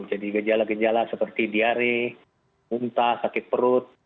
jadi gejala gejala seperti diari muntah sakit perut